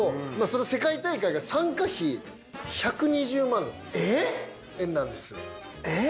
その世界大会が参加費１２０万円なんです。えっ！